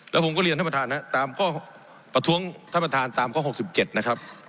แล้วผมก็เรียนท่านประธานนะตามข้อประท้วงท่านประธานตามข้อ๖๗นะครับ